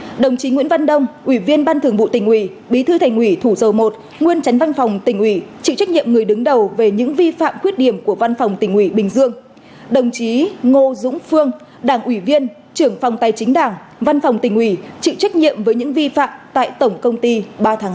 đồng chí nguyễn văn đông ủy viên ban thường vụ tỉnh ủy bí thư thành ủy thủ dầu một nguyên tránh văn phòng tỉnh ủy chịu trách nhiệm người đứng đầu về những vi phạm khuyết điểm của văn phòng tỉnh ủy bình dương đồng chí ngô dũng phương đảng ủy viên trưởng phòng tài chính đảng văn phòng tỉnh ủy chịu trách nhiệm với những vi phạm tại tổng công ty ba tháng hai